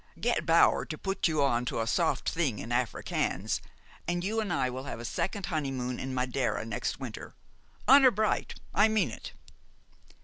Get Bower to put you on to a soft thing in Africans, an' you an' I will have a second honeymoon in Madeira next winter. Honor bright! I mean it."